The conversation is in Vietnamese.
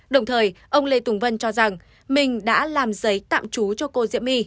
đồng thời ông lê tùng vân cho rằng mình đã làm giấy tạm trú cho cô diệm my